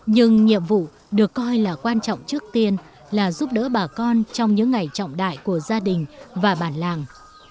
nhưng nhiệm vụ được coi là quan trọng trước tiên là giúp đỡ bà con trong những ngày trọng đại của gia đình và bản làng